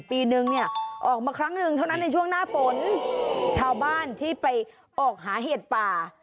ปีนึงเนี่ยออกมาครั้งหนึ่งเท่านั้นในช่วงหน้าฝนชาวบ้านที่ไปออกหาเห็ดป่า